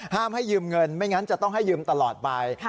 ห้ามให้ยืมเงินไม่งั้นจะต้องให้ยืมตลอดไป